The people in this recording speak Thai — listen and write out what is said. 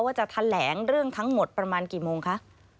จะแถลงเรื่องทั้งหมดประมาณกี่โมงคะ